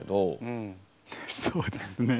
うんそうですね